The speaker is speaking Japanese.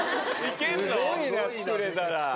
すごいな作れたら。